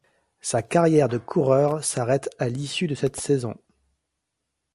Sa carrière de coureur s'arrête à l'issue de cette saison.